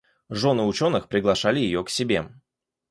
Жены ученых приглашали ее к себе.